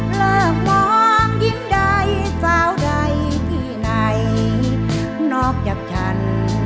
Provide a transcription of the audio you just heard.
เลิกมองยิ่งใดสาวใดที่ไหนนอกจากฉัน